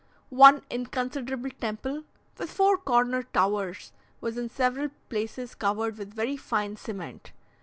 One inconsiderable temple, with four corner towers, was in several places covered with very fine cement.